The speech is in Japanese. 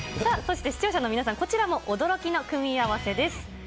そして視聴者の皆さん、こちらも、驚きの組み合わせです。